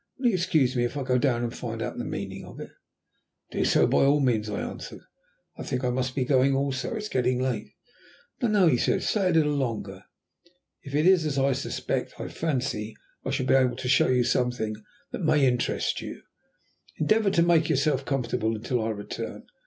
Will you excuse me if I go down and find out the meaning of it?" "Do so, by all means," I answered. "I think I must be going also. It is getting late." "No, no," he said, "stay a little longer. If it is as I suspect, I fancy I shall be able to show you something that may interest you. Endeavour to make yourself comfortable until I return.